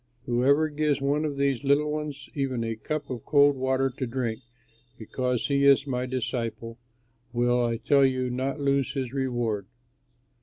Whoever gives one of these little ones even a cup of cold water to drink because he is my disciple will, I tell you, not lose his reward.